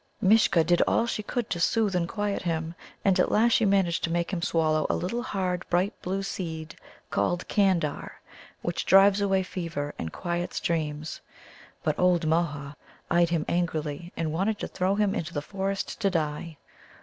Mishcha did all she could to soothe and quieten him. And at last she managed to make him swallow a little hard bright blue seed called Candar, which drives away fever and quiets dreams. But old Môha eyed him angrily, and wanted to throw him out into the forest to die.